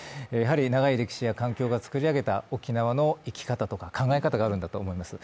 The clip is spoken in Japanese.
長い歴史や環境が作り上げた沖縄の生き方とか考え方があるんだと思います。